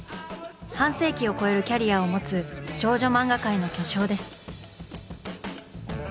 半世紀を超えるキャリアを持つ少女漫画界の巨匠です。